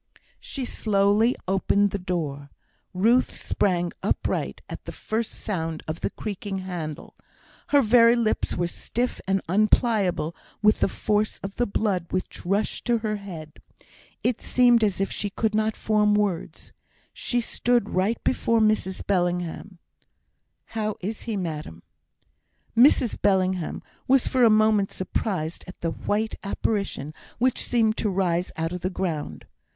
She slowly opened the door. Ruth sprang upright at the first sound of the creaking handle. Her very lips were stiff and unpliable with the force of the blood which rushed to her head. It seemed as if she could not form words. She stood right before Mrs Bellingham. "How is he, madam?" Mrs Bellingham was for a moment surprised at the white apparition which seemed to rise out of the ground.